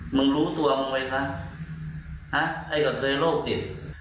มึงรู้ตัวมึงไงคะไอ้กระเทยโลกจิต